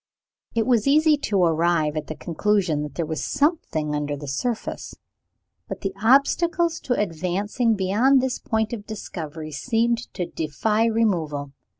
It was easy to arrive at the conclusion that there was something under the surface; but the obstacles to advancing beyond this point of discovery seemed to defy removal.